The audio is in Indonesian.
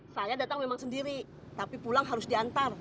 saya datang memang sendiri tapi pulang harus diantar